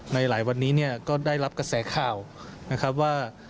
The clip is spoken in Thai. หลายวันนี้เนี่ยก็ได้รับกระแสข่าวนะครับว่า